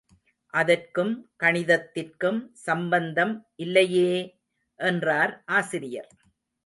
அதற்கும் கணிதத்திற்கும் சம்பந்தம் இல்லையே! என்றார் ஆசிரியர்.